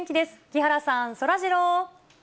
木原さん、そらジロー。